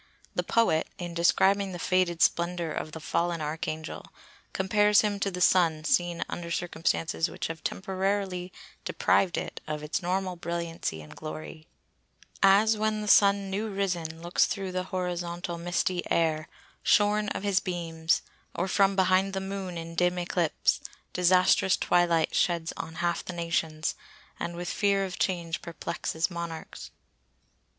The poet, in describing the faded splendour of the fallen archangel, compares him to the Sun seen under circumstances which have temporarily deprived it of its normal brilliancy and glory:— "As when the Sun new risen Looks through the horizontal misty air Shorn of his beams, or, from behind the Moon In dim eclipse, disastrous twilight sheds On half the nations, and with fear of change Perplexes Monarchs."